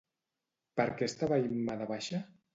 Per què estava Imma de baixa?